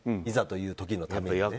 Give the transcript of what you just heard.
いざという時のために。